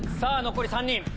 残り３人。